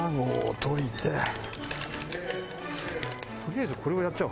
とりあえずこれをやっちゃおう。